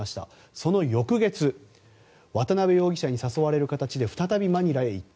その翌月渡邉容疑者に誘われる形で再びマニラに行った。